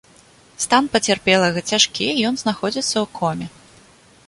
Стан пацярпелага цяжкі, ён знаходзіцца ў коме.